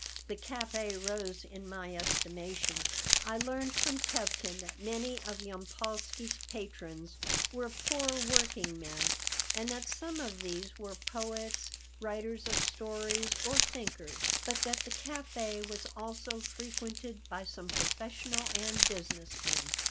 The café rose in my estimation I learned from Tevkin that many of Yampolsky's patrons were poor working men and that some of these were poets, writers of stories, or thinkers, but that the café was also frequented by some professional and business men.